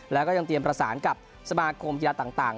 แล้วก็ยังเตรียมประสานกับสมาคมกีฬาต่าง